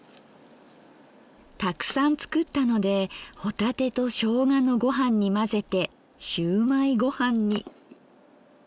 たくさん作ったので帆立てとしょうがのごはんに混ぜてしゅうまいごはんに。